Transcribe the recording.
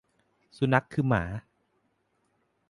สุนัขคือหมา